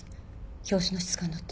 表紙の質感だって。